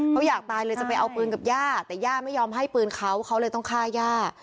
เขาอยากตายเลยจะไปเอาปืนกับย่าแต่ย่าไม่ยอมให้ปืนเขาเขาเลยต้องฆ่าย่า